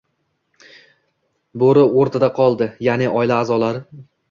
Bo'ri o'rtada qoldi, ya'ni oila a'zolari.